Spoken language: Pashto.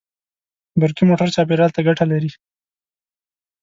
برقي موټر چاپېریال ته ګټه لري.